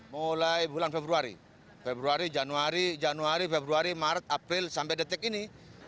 mulai bulan februari februari januari januari februari maret april sampai detik ini